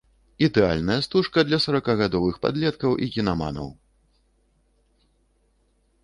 Ідэальная стужка для саракагадовых падлеткаў і кінаманаў.